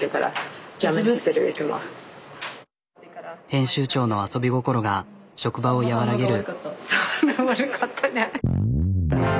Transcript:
編集長の遊び心が職場を和らげる。